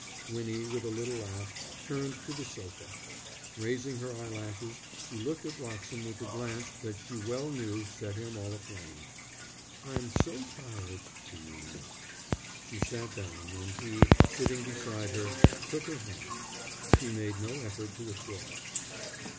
Winnie, with a little laugh, turned to the sofa. Raising her eyelashes, she looked at Wroxham with the glance that she well knew set him all aflame. "I'm so tired," she murmured. She sat down, and he, sitting beside her, took her hand. She made no effort to withdraw it.